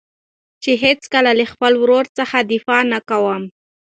چې هېڅکله له خپل ورور څخه دفاع نه کوم.